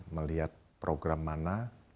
melihat program mana